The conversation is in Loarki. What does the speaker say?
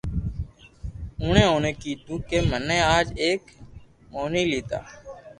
اونڻي اوني ڪيدو ڪو مني آج ايڪ موٺي ايتا